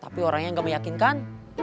tapi orangnya gak meyakinkan